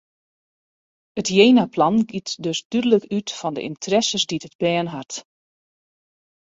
It jenaplan giet dus dúdlik út fan de ynteresses dy't it bern hat.